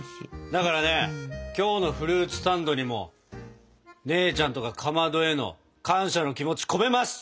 だからね今日のフルーツサンドにも姉ちゃんとかかまどへの感謝の気持ち込めます！